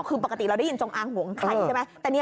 คือปกติเราได้ยินจงอางห่วงไข่ใช่ไหม